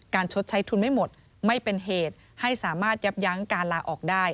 ชดใช้ทุนไม่หมดไม่เป็นเหตุให้สามารถยับยั้งการลาออกได้